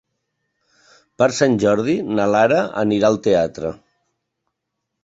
Per Sant Jordi na Lara anirà al teatre.